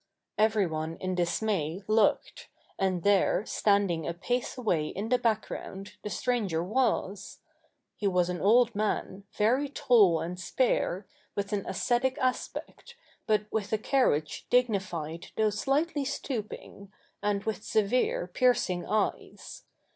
Everyone in dismay looked ; and there, standing A a pace away in the background, the stranger was. He was an old man, very tall and spare, with an ascetic aspect, but with a carriage dignified though slightly stooping, and with severe, piercing eyes.